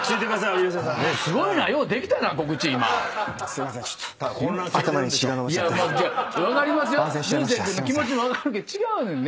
竜星君の気持ち分かるけど違うのよね。